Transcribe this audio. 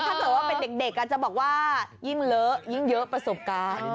ถ้าเกิดว่าเป็นเด็กอาจจะบอกว่ายิ่งเลอะยิ่งเยอะประสบการณ์